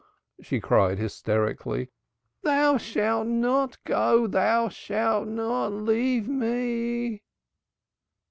she cried hysterically. "Thou shalt not go! Thou shalt not leave me!"